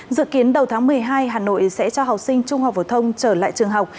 dự kiến đầu tháng một mươi hai hà nội sẽ cho học sinh trung học phổ thông trở lại trường học